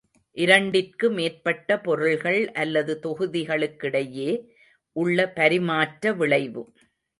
இரண்டிற்கு மேற்பட்ட பொருள்கள் அல்லது தொகுதிகளுக்கிடையே உள்ள பரிமாற்ற விளைவு.